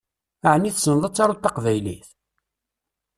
Ɛni tessneḍ ad taruḍ taqbaylit?